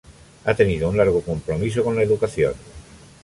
Ha tenido un largo compromiso con la educación.